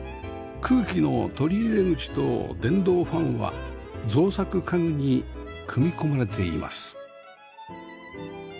空気の取り入れ口と電動ファンは造作家具に組み込まれています